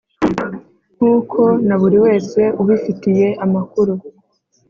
Nkuko na buri wese ubifitiye amakuru .